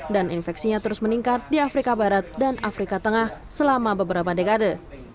dan infeksinya terus meningkat di afrika barat dan afrika tengah selama beberapa dekade